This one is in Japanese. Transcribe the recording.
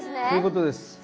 そういうことです。